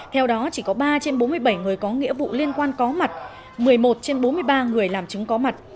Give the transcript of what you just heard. theo đó chỉ có ba trên bốn mươi bảy người có nghĩa vụ liên quan có mặt một mươi một trên bốn mươi ba người làm chứng có mặt